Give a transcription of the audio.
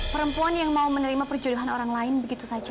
perempuan yang mau menerima perjodohan orang lain begitu saja